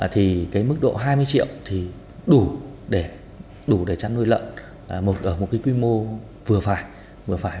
thì cái mức độ hai mươi triệu thì đủ để trăn nuôi lợn một ở một cái quy mô vừa phải